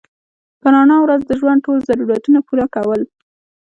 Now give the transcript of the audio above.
په رڼا ورځ د ژوند ټول ضرورتونه پوره کول